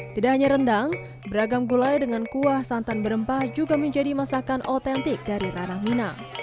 tidak hanya rendang beragam gulai dengan kuah santan berempah juga menjadi masakan otentik dari ranah minang